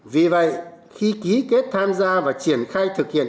vì vậy khi ký kết tham gia và triển khai thực hiện